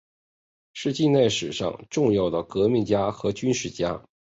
是近代史上重要的革命家和军事家。